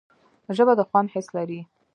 ژبه د خوند حس لري